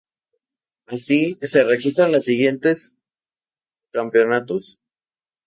Así, se registran las siguientes campeonatos.